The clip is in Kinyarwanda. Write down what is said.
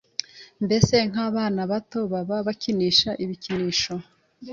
mbese nk’abana bato baba bakinisha ibikinisho